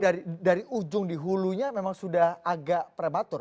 jadi dari ujung di hulunya memang sudah agak prematur